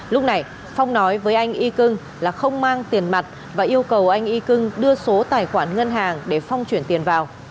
lúc này phong nói với anh ikung là không mang tiền mặt và yêu cầu anh ikung đưa số tài khoản ngân hàng để phong chuyển tiền vào